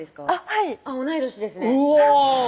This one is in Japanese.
はい同い年ですねうわ